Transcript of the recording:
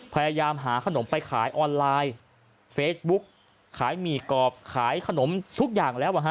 พยายามหาขนมไปขายออนไลน์เฟซบุ๊กขายหมี่กรอบขายขนมทุกอย่างแล้วอ่ะฮะ